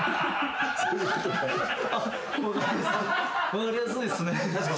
分かりやすいっすね。